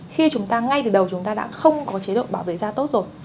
khi chúng ta ngay từ đầu chúng ta đã không có chế độ bảo vệ da tốt rồi